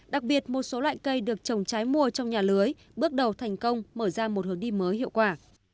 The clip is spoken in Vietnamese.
đặc biệt một số loại cây được trồng trái mùa trong nhà lưới bước đầu thành công mở ra một hướng đi mới hiệu quả